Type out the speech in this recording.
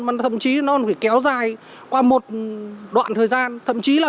mà thậm chí nó phải kéo dài qua một đoạn thời gian